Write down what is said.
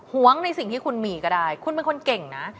หวงในสิ่งที่คุณมีก็ได้คุณเป็นคนเก่งนะ